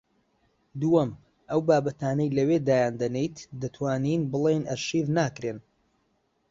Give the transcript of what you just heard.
دووەم: ئەو بابەتانەی لەوێ دایان دەنێیت دەتوانین بڵێین ئەرشیف ناکرێن